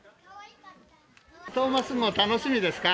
トーマス号、楽しみですか？